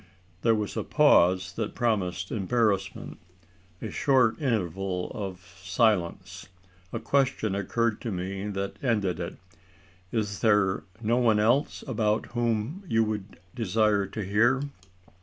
There was a pause that promised embarrassment a short interval of silence. A question occurred to me that ended it. "Is there no one else about whom you would desire to hear?"